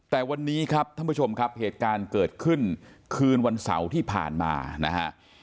แต่วันนี้ครับท่านผู้ชมครับเหตุการณ์เกิดขึ้นคืนวันเสาร์ที่ผ่านมานะฮะ